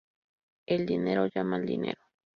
El dinero llama al dinero